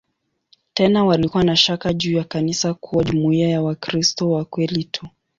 Tena walikuwa na shaka juu ya kanisa kuwa jumuiya ya "Wakristo wa kweli tu".